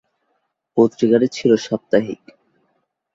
পত্রিকাটি ছিল সাপ্তাহিক।